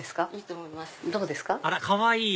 あらかわいい！